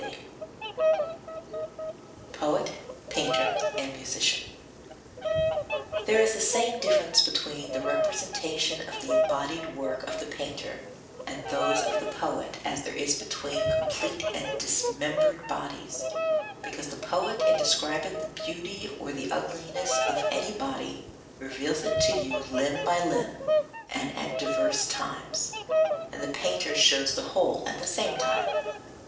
[Sidenote: Poet Painter and Musician] 27. There is the same difference between the representation of the embodied works of the painter and those of the poet as there is between complete and dismembered bodies, because the poet in describing the beauty or the ugliness of any body reveals it to you limb by limb and at diverse times, and the painter shows the whole at the same time.